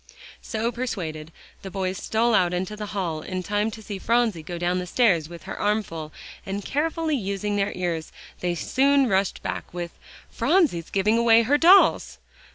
So persuaded, the two boys stole out into the hall in time to see Phronsie go down the stairs with her armful, and carefully using their ears they soon rushed back with "Phronsie's giving away her dolls!"